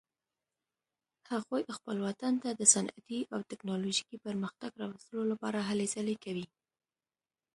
هغوی خپل وطن ته د صنعتي او تکنالوژیکي پرمختګ راوستلو لپاره هلې ځلې کوي